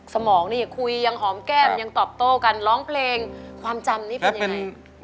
สมองนี่คุยยังหอมแก้มยังตอบโต้กันร้องเพลงความจำนี่เป็นยังไง